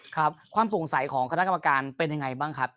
ครับความสงสัยของคณะกรรมการเป็นยังไงบ้างครับ